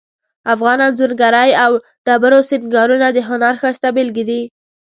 افغان انځورګری او ډبرو سنګارونه د هنر ښایسته بیلګې دي